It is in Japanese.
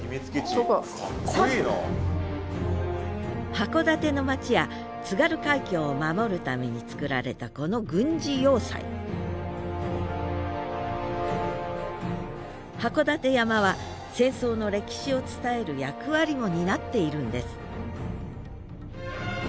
函館の町や津軽海峡を守るために造られたこの軍事要塞函館山は戦争の歴史を伝える役割も担っているんです